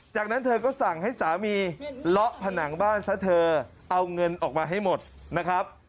จากนั้นเธอก็สั่งให้สามีเลาะผนังบ้านซะเธอเอาเงินออกมาให้หมดนะครับ